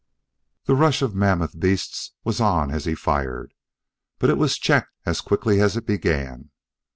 The rush of mammoth beasts was on as he fired, but it was checked as quickly as it began.